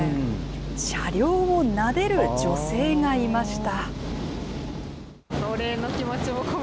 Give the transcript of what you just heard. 車両をなでる女性がいました。